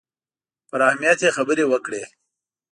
پر اهمیت یې خبرې وکړې.